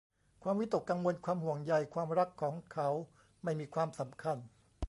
ความวิตกกังวล ความห่วงใย ความรักของเขาไม่มีความสำคัญ